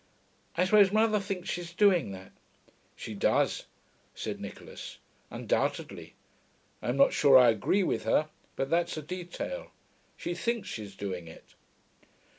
I suppose mother thinks she's doing that.' 'She does,' said Nicholas. 'Undoubtedly. I'm not sure I agree with her, but that's a detail. She thinks she's doing it....